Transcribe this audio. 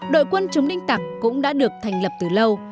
đội quân chống đinh tặc cũng đã được thành lập từ lâu